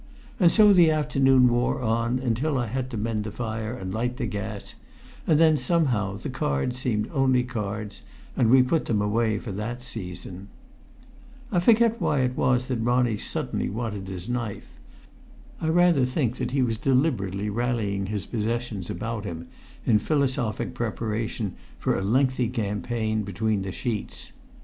And so the afternoon wore on, until I had to mend the fire and light the gas; and then somehow the cards seemed only cards, and we put them away for that season. I forget why it was that Ronnie suddenly wanted his knife. I rather think that he was deliberately rallying his possessions about him in philosophic preparation for a lengthy campaign between the sheets.